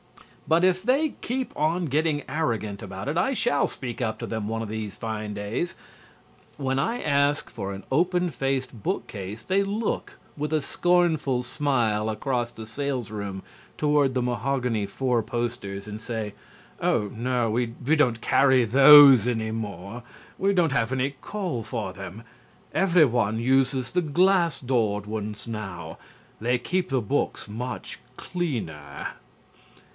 But if they keep on getting arrogant about it I shall speak up to them one of these fine days. When I ask for an open faced bookcase they look with a scornful smile across the salesroom toward the mahogany four posters and say: "Oh, no, we don't carry those any more. We don't have any call for them. Every one uses the glass doored ones now. They keep the books much cleaner."